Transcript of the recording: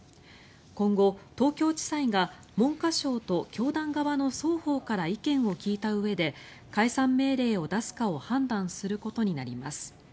今後、東京地裁が文科省と教団側の双方から意見を聞いたうえで解散命令を出すかを判断することになります。